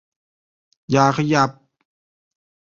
อย่าขยับ